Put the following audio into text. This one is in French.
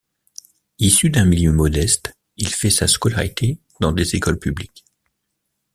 Issu d'un milieu modeste, il fait sa scolarité dans des écoles publiques.